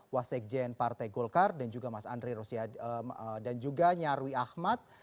wasek jn partai golkar dan juga mas andri rosyad dan juga nyarwi ahmad